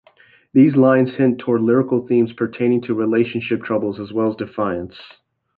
These lines hint toward lyrical themes pertaining to relationship troubles as well as defiance.